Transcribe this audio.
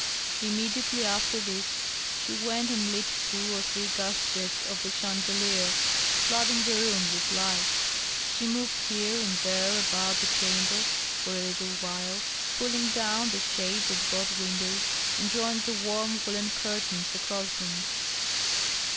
Immediately after this she went and lit two or three gas jets of the chandelier, flooding the room with light. She moved here and there about the chamber for a little while, pulling down the shades at both windows and drawing the warm woollen curtains across them.